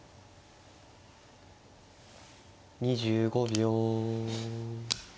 ２５秒。